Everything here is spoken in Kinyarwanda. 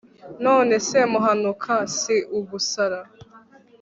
noneho semuhanuka si ugusara